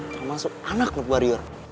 kamu masuk anak klub warrior